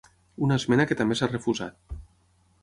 Una esmena que també s’ha refusat.